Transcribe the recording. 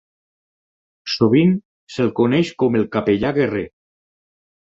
Sovint se"l coneix com el "capellà guerrer".